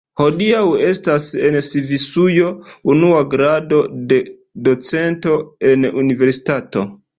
Hodiaŭ estas en Svisujo unua grado de docento en universitato.